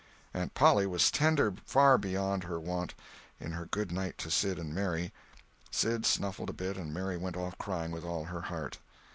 Aunt Polly was tender far beyond her wont, in her goodnight to Sid and Mary. Sid snuffled a bit and Mary went off crying with all her heart.